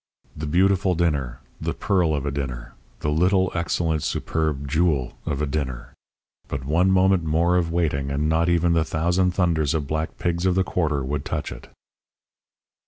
The beautiful dinner, the pearl of a dinner, the little excellent superb jewel of a dinner! But one moment more of waiting and not even the thousand thunders of black pigs of the quarter would touch it!